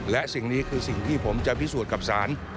และสิ่งนี้คือสิ่งที่ผมจะพิสูจน์กับสาร